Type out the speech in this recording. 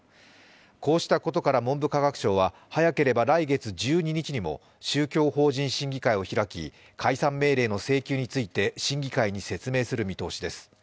こうしたことから文部科学省は早ければ来月１２日にも宗教法人審議会を開き解散命令の請求について審議会に説明する見通しです。